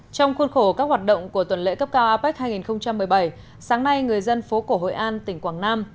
trong khuôn khổ các hoạt động của tuần lễ cấp cao apec hai nghìn một mươi bảy sáng nay người dân phố cổ hội an tỉnh quảng nam